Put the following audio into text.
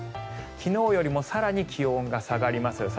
昨日よりもさらに気温が下がります。